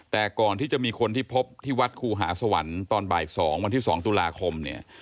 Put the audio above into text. แต่ก่อนที่จะมีคนที่พบที่วัดครูหาสวรรค์ตอนบ่าย๒วันที่๒ตุลาคมเนี่ย